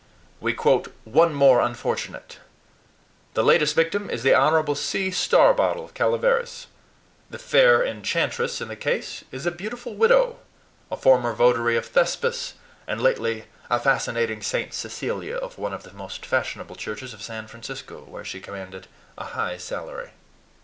We quote 'one more unfortunate.' The latest victim is the Hon. C. Starbottle of Calaveras. The fair enchantress in the case is a beautiful widow, a former votary of Thespis, and lately a fascinating St. Cecilia of one of the most fashionable churches of San Francisco, where she commanded a high salary."